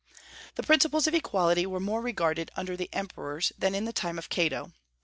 The principles of equity were more regarded under the emperors than in the time of Cato.